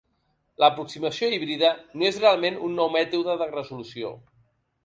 L'aproximació híbrida no és realment un nou mètode de resolució.